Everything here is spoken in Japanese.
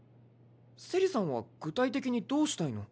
セリさんは具体的にどうしたいの？